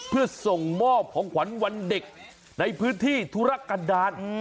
เพื่อส่งมอบของขวัญวันเด็กในพื้นที่ธุรกันดาล